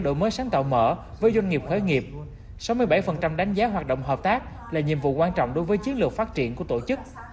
đổi mới sáng tạo mở với doanh nghiệp khởi nghiệp sáu mươi bảy đánh giá hoạt động hợp tác là nhiệm vụ quan trọng đối với chiến lược phát triển của tổ chức